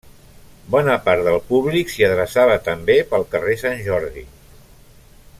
Bona part del públic s'hi adreçava també pel carrer Sant Jordi.